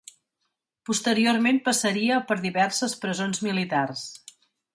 Posteriorment passaria per diverses presons militars.